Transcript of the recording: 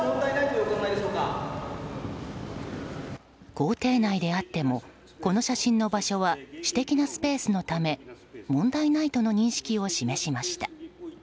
公邸内であってもこの写真の場所は私的なスペースのため問題ないとの認識を示しました。